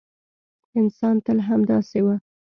انسان تل همداسې و.